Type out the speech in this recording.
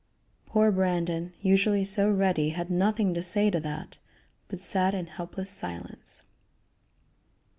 Poor Brandon, usually so ready, had nothing "to say to that," but sat in helpless silence.